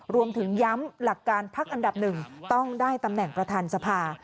รวมถึงย้ำหลักการพักอันดับหนึ่งต้องได้ตำแหน่งประธานสภา